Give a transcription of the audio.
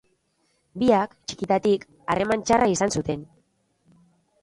Biak, txikitatik, harreman txarra izan zuten.